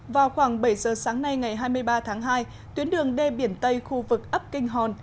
vào khoảng bảy giờ sáng nay ngày hai mươi ba tháng hai tuyến đường d biển tây khu vực ấp kinh hòn